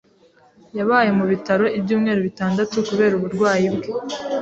Yabaye mu bitaro ibyumweru bitandatu kubera uburwayi bwe.